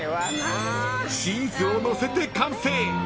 チーズをのせて完成］